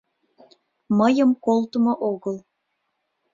Мыйым колтымо огыл.